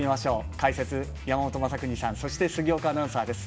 解説、山本昌邦さんそして、杉岡アナウンサーです。